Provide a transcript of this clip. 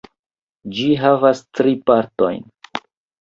Ĝi havas tri partojn.